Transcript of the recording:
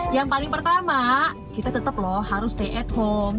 yang paling pertama kita tetap loh harus stay at home